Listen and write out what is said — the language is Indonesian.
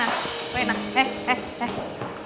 apa yang kamu lakukan